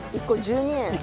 １個１２円？